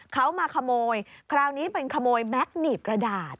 เขามาขโมยคราวนี้เป็นขโมยแม็กหนีบกระดาษ